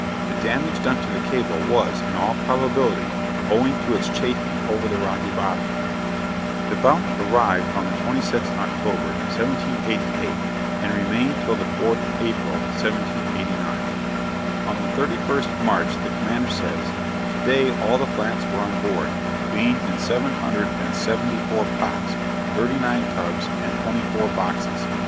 The damage done to the cable was, in all probability, owing to its chafing over the rocky bottom. The Bounty arrived on the 26th October, 1788, and remained till the 4th April, 1789. On the 31st March, the Commander says, 'To day, all the plants were on board, being in seven hundred and seventy four pots, thirty nine tubs, and twenty four boxes.